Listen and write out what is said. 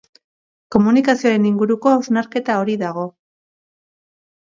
Komunikazioaren inguruko hausnarketa hori dago.